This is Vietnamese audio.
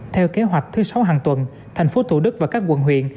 theo kế hoạch thứ sáu hàng tuần thành phố thủ đức và các quận huyện